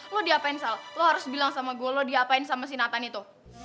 lo diapain sal lo harus bilang sama gue lo diapain sama si nathan itu